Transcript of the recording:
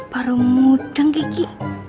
baru mudeng gigi